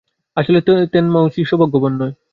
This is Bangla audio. আসলে, তেনতোমুশি সৌভাগ্যবান নয়।